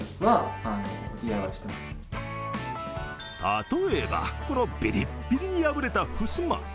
例えは、このビリビリに破れたふすま。